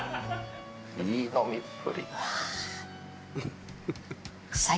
いい飲みっぷり！